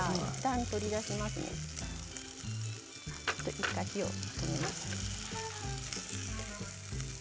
一度、火を止めます。